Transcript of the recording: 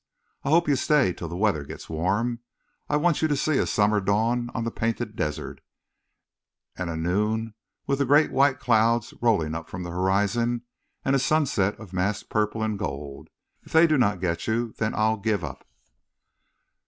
I hope you stay till the weather gets warm. I want you to see a summer dawn on the Painted Desert, and a noon with the great white clouds rolling up from the horizon, and a sunset of massed purple and gold. If they do not get you then I'll give up."